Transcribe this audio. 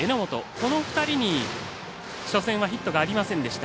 この２人に初戦はヒットがありませんでした。